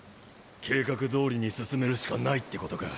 計画通りに進めるしかないってことか。